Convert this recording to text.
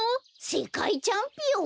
せかいチャンピオン？